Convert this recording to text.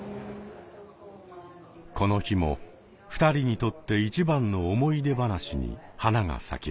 この日も２人にとって一番の思い出話に花が咲きます。